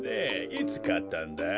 いつかったんだい？